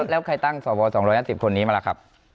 แล้วใครตั้งสว๒๕๐คนนี้มาล่ะครับ